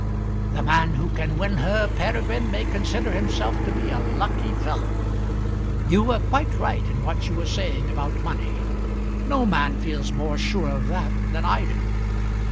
"The man who can win her, Peregrine, may consider himself to be a lucky fellow. You were quite right in what you were saying about money. No man feels more sure of that than I do.